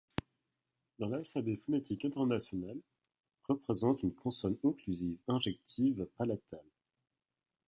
Dans l’alphabet phonétique international, représente une consonne occlusive injective palatale.